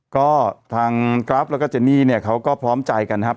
ก็ทางกรัฟแล้วก็เจนี่เนี่ยเขาก็พร้อมใจกันครับ